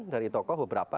dari tokoh beberapa